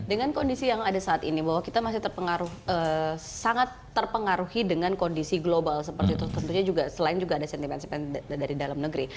dengan kondisi yang ada saat ini bahwa kita masih terpengaruh sangat terpengaruhi dengan kondisi global seperti itu tentunya juga selain juga ada sentimen sentimen dari dalam negeri